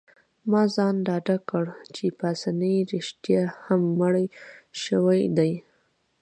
ما ځان ډاډه کړ چي پاسیني رښتیا هم مړی شوی دی.